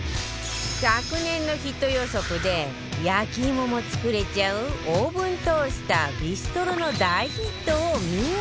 昨年のヒット予測で焼き芋も作れちゃうオーブントースタービストロの大ヒットを見事的中